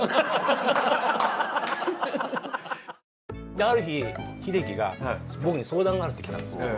である日秀樹が僕に相談があるって来たんです。